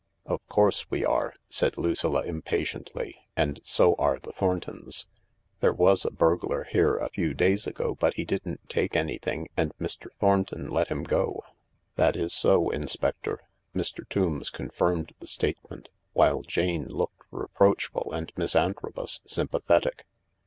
" Of course we are/' said Lucilla impatiently, " and so are the Thprntpns, There was a burglar here ^ few days THE LARK 283 ago, but he didn't take anything, and Mr. Thornton let him " That is so, Inspector." Mr. Tombs confirmed the state ment, while Jane looked reproachful and Miss Antrobus sympathetic.